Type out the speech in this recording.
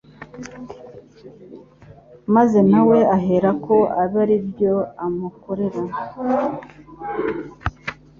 maze nawe uhereko abe aribyo umukorera.